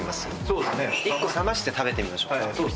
１個冷まして食べてみましょうか。